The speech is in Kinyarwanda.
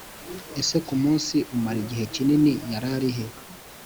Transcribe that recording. Ese ku munsi umara igihe kinini yararihe